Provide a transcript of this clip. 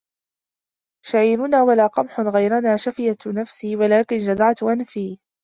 شعيرنا ولا قمح غيرنا شفيت نفسي ولكن جدعت أنفي